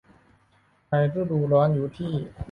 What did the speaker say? ในฤดูร้อนอยู่ที่